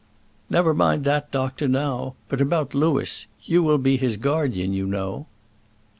"Never mind that, doctor, now; but about Louis; you will be his guardian, you know."